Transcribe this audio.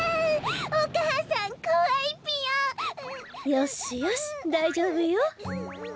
よしよしだいじょうぶよ。